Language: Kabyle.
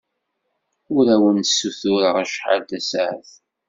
Ur awen-ssutureɣ acḥal tasaɛet.